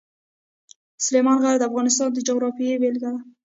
سلیمان غر د افغانستان د جغرافیې بېلګه ده.